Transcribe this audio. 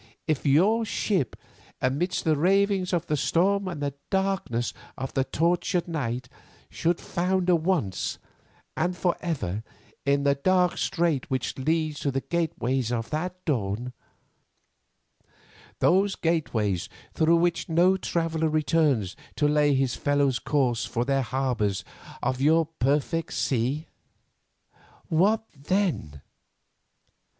If your ship, amidst the ravings of the storm and the darkness of the tortured night, should founder once and for ever in the dark strait which leads to the gateways of that Dawn—those gateways through which no traveller returns to lay his fellows' course for the harbours of your perfect sea; what then?